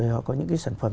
họ có những sản phẩm